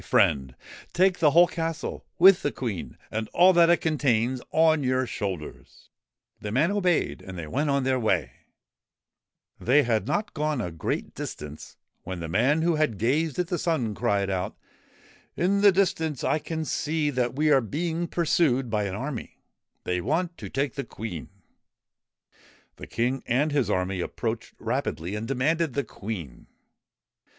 friend I Take the whole castle, with the Queen and all that it contains, on your shoulders 1 ' The man obeyed and they went on their way I They had not gone a great distance when the man who had gazed at the sun cried out :' In the distance I can see that we are being pursued by an army ; they want to take the Queen 1 ' The King and his army approached rapidly, and demanded the Queen.